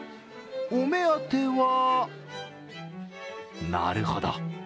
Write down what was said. お目当ては、なるほど。